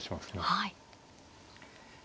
はい。